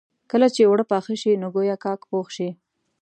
کله چې اوړه پاخه شي نو ګويا کاک پوخ شي.